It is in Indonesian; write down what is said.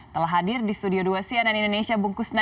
telah hadir di studio dua sian dan indonesia bungkus sembilan puluh